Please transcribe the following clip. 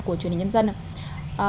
của truyền hình nhân dân ạ